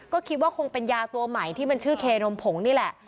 ก็คิดว่าคงเป็นยาตัวใหม่ที่มันชื่อเคนมผงนี่แหละ